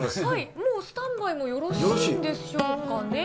もうスタンバイもよろしいんでしょうかね。